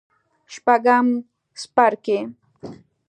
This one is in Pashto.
شپږم څپرکی